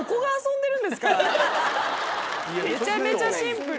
めちゃめちゃシンプル。